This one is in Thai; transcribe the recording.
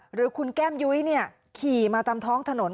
หรือคุณแก้มยุ้ยขี่มาตามท้องถนน